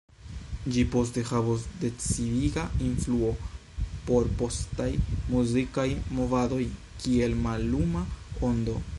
Ĝi poste havos decidiga influo por postaj muzikaj movadoj kiel malluma ondo.